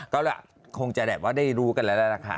ก็แหละคงจะแบบว่าได้รู้กันแล้วละค่ะ